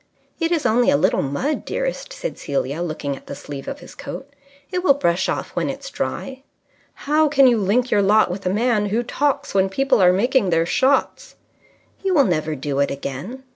"It's only a little mud, dearest," said Celia, looking at the sleeve of his coat. "It will brush off when it's dry." "How can you link your lot with a man who talks when people are making their shots?" "You will never do it again."